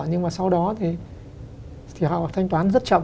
nhưng mà sau đó thì họ thanh toán rất chậm